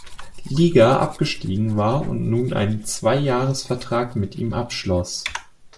Liga abgestiegen war und nun einen Zwei-Jahres-Vertrag mit ihm abschloss.